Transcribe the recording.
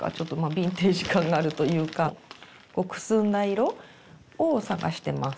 ビンテージ感があるというかくすんだ色を探してます。